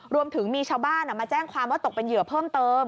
รวมถึงมีชาวบ้านมาแจ้งความว่าตกเป็นเหยื่อเพิ่มเติม